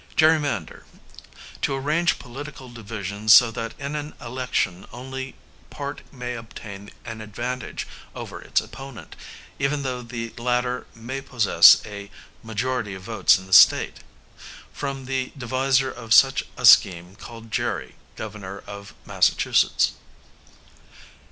Gerrymander, to arrange political divisions so that in an election one party may obtain an advantage over its opponent, even though the latter may possess a majority of votes in the State; from the deviser of such a scheme, named Gerry, governor of Massachusetts.